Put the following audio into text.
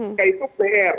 sekarang itu pr